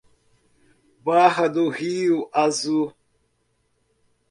Barra do Rio Azul